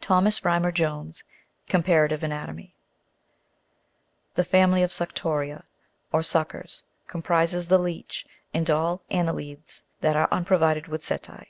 Thomas Rymer Jones Comparative Anatomy, 12. The family of sucto'ria or suckers comprises the leech, and all anne'lides that are unprovided with setae.